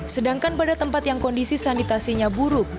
sedangkan pada tempat yang kondisi sanitasinya buruk